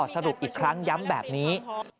สรุปอีกครั้งย้ำแบบนี้